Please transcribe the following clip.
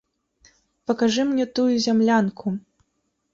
Пакажы мне тую зямлянку.